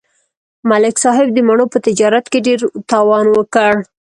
ملک صاحب د مڼو په تجارت کې ډېر تاوان وکړ